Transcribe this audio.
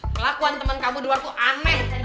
kelakuan teman kamu di luar tuh aneh